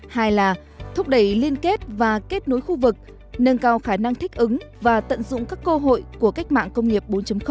hai là thúc đẩy liên kết và kết nối khu vực nâng cao khả năng thích ứng và tận dụng các cơ hội của cách mạng công nghiệp bốn